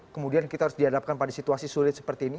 kemudian kita harus dihadapkan pada situasi sulit seperti ini